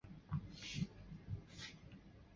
好好学习所有的知识